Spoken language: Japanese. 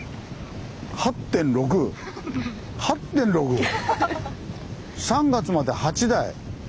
８．６８．６！３月まで８台。